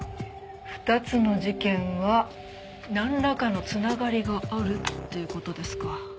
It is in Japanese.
２つの事件はなんらかの繋がりがあるっていう事ですか。